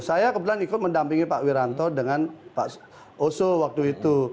saya kebetulan ikut mendampingi pak wiranto dengan pak oso waktu itu